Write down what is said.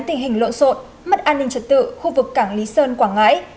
tình hình lộn xộn mất an ninh trật tự khu vực cảng lý sơn quảng ngãi